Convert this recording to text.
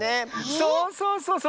そうそうそうそう。